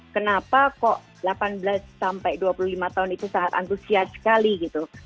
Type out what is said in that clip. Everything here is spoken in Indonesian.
kenapa kok delapan belas sampai dua puluh lima tahun itu sangat antusias sekali gitu